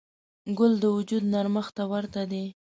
ګل د وجود نرمښت ته ورته دی.